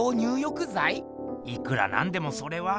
いくらなんでもそれは。